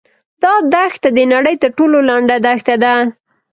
دا دښته د نړۍ تر ټولو لنډه دښته ده.